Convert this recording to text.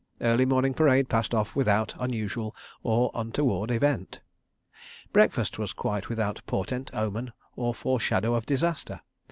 Early morning parade passed off without unusual or untoward event. Breakfast was quite without portent, omen, or foreshadow of disaster.